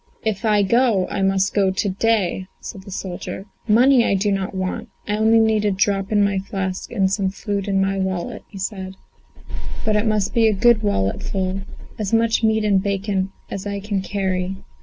"If I go, I must go to day," said the soldier. "Money I do not want; I only need a drop in my flask and some food in my wallet," he said; "but it must be a good walletful as much meat and bacon as I can carry."